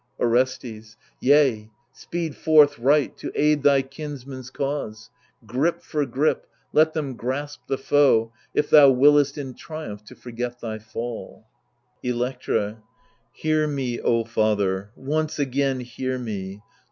Orestes Yea, speed forth Right to aid thy kinsmen's cause ; Grip for grip, let them grasp the foe, if thou Wiliest in triumph to forget thy fall. Electra Hear me, O father, once again hear me.